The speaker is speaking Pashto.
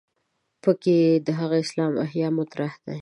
په کې د هغه اسلام احیا مطرح ده.